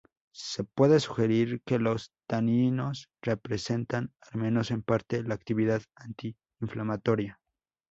Se puede sugerir que los taninos representan al menos en parte, la actividad anti-inflamatoria.